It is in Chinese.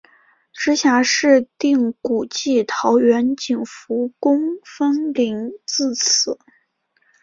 直辖市定古迹桃园景福宫分灵自此。